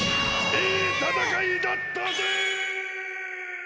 いいたたかいだったぜ！